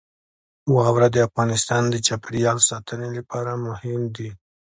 واوره د افغانستان د چاپیریال ساتنې لپاره مهم دي.